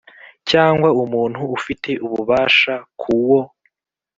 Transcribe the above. Cyangwa umuntu ufite ububasha ku wo